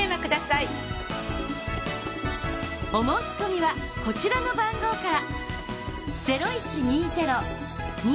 お申し込みはこちらの番号から。